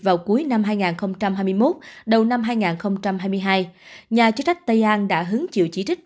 vào cuối năm hai nghìn hai mươi một đầu năm hai nghìn hai mươi hai nhà chức trách tây an đã hứng chịu chỉ trích